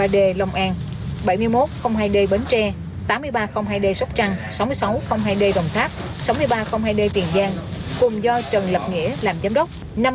sáu mươi hai ba d long an bảy mươi một hai d bến tre tám mươi ba hai d sóc trăng sáu mươi sáu hai d đồng tháp sáu mươi ba hai d tiền giang cùng do trần lập nghĩa làm giám đốc